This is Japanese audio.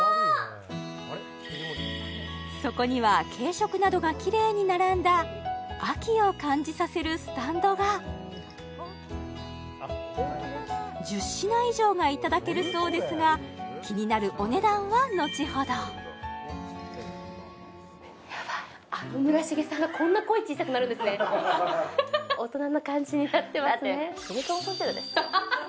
そこには軽食などがきれいに並んだ秋を感じさせるスタンドが１０品以上がいただけるそうですが気になるお値段は後ほどやばい大人な感じになってますね